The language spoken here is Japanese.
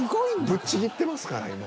ぶっちぎってますから今。